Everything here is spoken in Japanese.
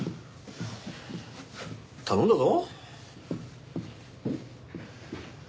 頼んだぞ。